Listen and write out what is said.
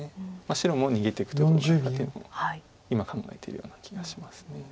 白も逃げていくとこがないかっていうのを今考えてるような気がします。